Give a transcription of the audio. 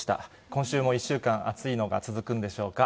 今週も１週間暑いのが続くんでしょうか。